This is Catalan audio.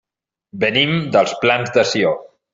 Venim dels Plans de Sió.